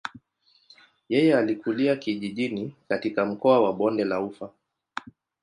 Yeye alikulia kijijini katika mkoa wa bonde la ufa.